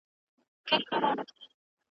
د ښار خلک هم پر دوو برخو وېشلي `